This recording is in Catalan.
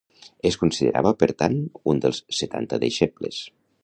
Es considerava, per tant, un dels Setanta deixebles.